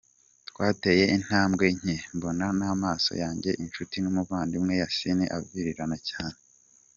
Twateye intambwe nke, mbona n’amaso yanjye inshuti n’umuvandimwe Yasin avirirana cyane.